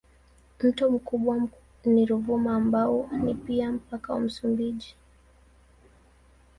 Mto mkubwa ni Ruvuma ambao ni pia mpaka wa Msumbiji.